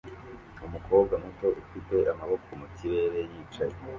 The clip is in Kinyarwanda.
Umukobwa muto ufite amaboko mu kirere yicaye